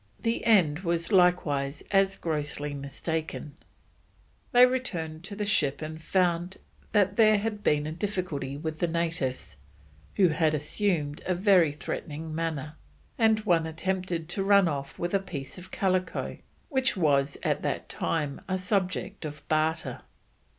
The end was likewise as grossly mistaken"), they returned to the ship and found that there had been a difficulty with the natives, who had assumed a very threatening manner, and one attempted to run off with a piece of calico which was at that time a subject of barter.